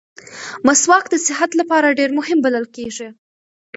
مسواک د صحت لپاره ډېر مهم بلل کېږي.